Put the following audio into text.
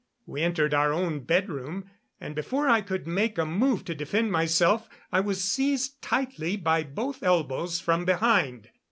We entered our own bedroom, and before I could make a move to defend myself I was seized tightly by both elbows from behind.